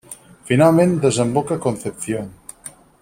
Finalment desemboca a Concepción.